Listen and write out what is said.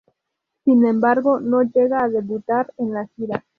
Sin embargo, no llega a debutar en la gira.